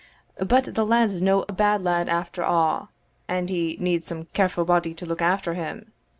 But the lad's no a bad lad after a'; and he needs some carefu' body to look after him.